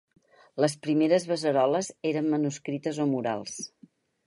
Les primeres beceroles eren manuscrites o murals.